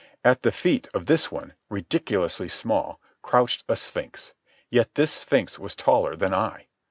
At the feet of this one, ridiculously small, crouched a sphinx; yet this sphinx was taller than I.